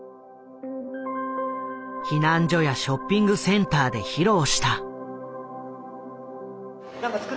避難所やショッピングセンターで披露した。